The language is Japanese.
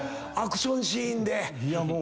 アクションシーンで。